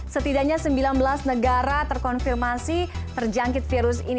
setidaknya sembilan belas negara terkonfirmasi terjangkit virus ini